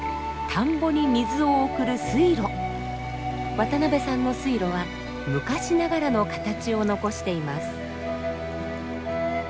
渡部さんの水路は昔ながらの形を残しています。